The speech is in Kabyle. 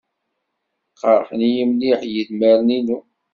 Qerḥen-iyi mliḥ yedmaren-inu.